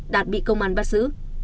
đạt bị công an bắt giữ